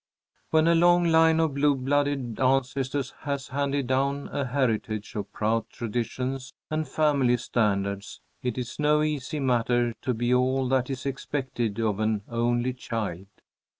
When a long line of blue blooded ancestors has handed down a heritage of proud traditions and family standards, it is no easy matter to be all that is expected of an only child.